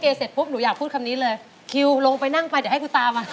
ครับคุณตาร้องละเก